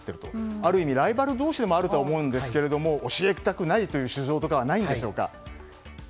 ある意味ライバル同士だと思うんですが教えたくないという私情とかはないんでしょうか。